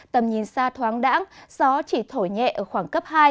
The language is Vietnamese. tầm nhìn xa thoáng đẳng gió chỉ thổi nhẹ ở khoảng cấp hai